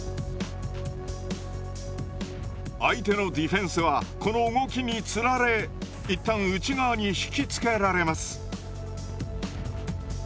相手のディフェンスはこの動きにつられ一旦内側に引き付けられます。